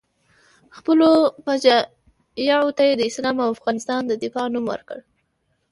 خپلو فجایعو ته یې د اسلام او افغانستان د دفاع نوم ورکړی.